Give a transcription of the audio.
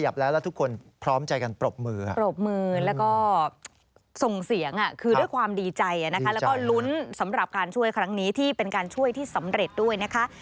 แบบการช่วยครั้งนี้ที่เป็นการช่วยที่สำเร็จด้วยนะคะ